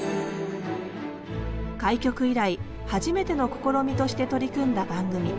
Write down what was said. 「開局以来初めての試みとして取り組んだ番組。